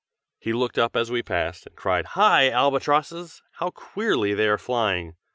He looked up as we passed, and cried "Hi! albatrosses! how queerly they are flying!